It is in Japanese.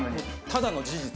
ただの事実。